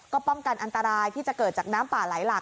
ก็ป้องกันอันตรายที่จะเกิดจากน้ำป่าไหลหลาก